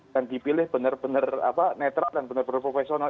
dan dipilih benar benar netral dan benar benar profesional